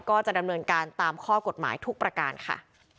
ก็จะดำเนินการตามข้อกฎหมายทุกประการค่ะ